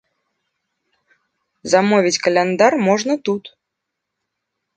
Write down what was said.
Замовіць каляндар можна тут.